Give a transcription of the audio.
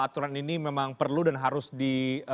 aturan ini memang perlu dan harus di